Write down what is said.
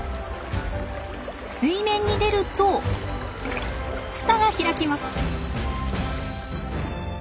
水面に出ると蓋が開きます。